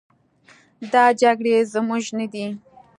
دا جګړې زموږ نه دي.